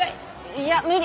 いや無理。